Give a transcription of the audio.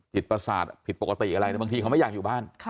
ประสาทผิดปกติอะไรบางทีเขาไม่อยากอยู่บ้าน